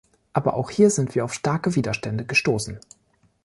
Aber auch hier sind wir auf starke Widerstände gestoßen.